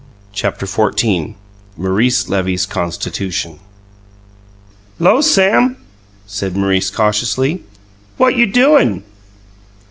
CHAPTER XIV MAURICE LEVY'S CONSTITUTION "Lo, Sam!" said Maurice cautiously. "What you doin'?"